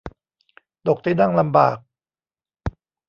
ตกที่นั่งลำบาก